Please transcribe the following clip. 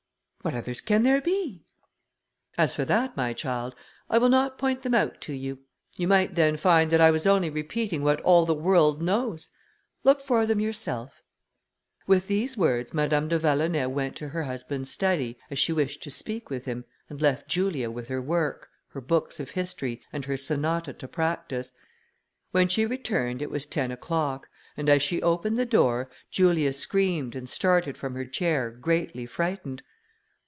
"What others can there be?" "As for that, my child, I will not point them out to you. You might then find that I was only repeating what all the world knows. Look for them yourself." With these words, Madame de Vallonay went to her husband's study, as she wished to speak with him, and left Julia with her work, her books of history, and her sonata to practise. When she returned, it was ten o'clock, and as she opened the door, Julia screamed and started from her chair greatly frightened.